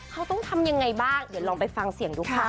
เขาต้องทำยังไงบ้างเดี๋ยวลองไปฟังเสียงดูค่ะ